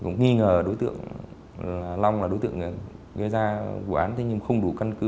nhưng đối tượng long là đối tượng gây ra vụ án nhưng không đủ căn cứ